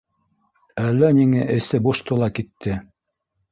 Әллә ниңә эсе бошто ла китте